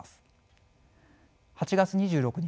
８月２６日